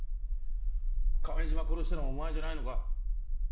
亀島殺したのもお前じゃないのか？